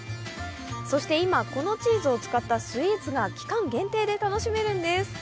そして今このチーズを使ったスイーツが期間限定で楽しめるんです。